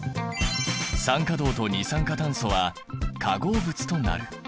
酸化銅と二酸化炭素は化合物となる。